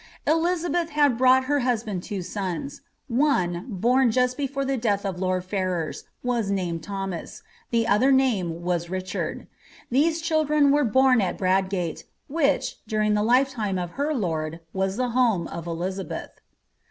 Elizabeth had brought her husband two sons ; one, bom jmt before the death of lord Ferrers, was named Thomas, the other's name was Richard. These children were bom at Bradgate, which, daring the lifetime of her lord, was the home of Elizabeth.